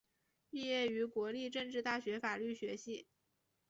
毕业于国立政治大学法律学系。